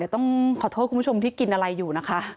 ต้องขอโทษคุณผู้ชมที่กินอะไรอยู่นะคะ